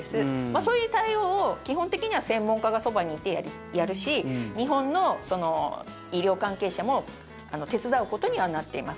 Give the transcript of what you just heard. そういう対応を基本的には専門家がそばにいてやるし日本の医療関係者も手伝うことにはなっています。